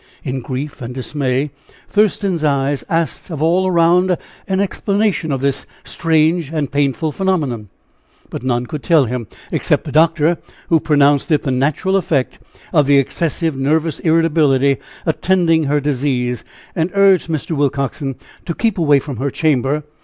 In grief and dismay, Thurston's eyes asked of all around an explanation of this strange and painful phenomenon; but none could tell him, except the doctor, who pronounced it the natural effect of the excessive nervous irritability attending her disease, and urged Mr. Willcoxen to keep away from her chamber.